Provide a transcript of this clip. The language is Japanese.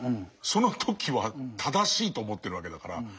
その時は正しいと思ってるわけだから。